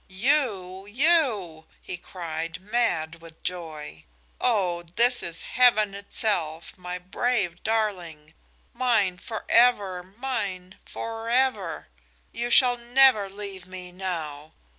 "You! You!" he cried, mad with joy. "Oh, this is Heaven itself! My brave darling! Mine forever mine forever! You shall never leave me now!